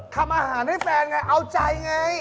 ทำอาหารให้แฟนไงเอาใจไง